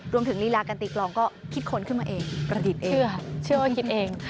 รวมถึงลีลากันตีกล่องก็คิดค้นขึ้นมาเองประดิษฐ์เองเชื่อว่าคิดเอง